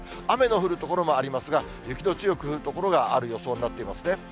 雨の降る所もありますが、雪の強く降る所がある予想になっていますね。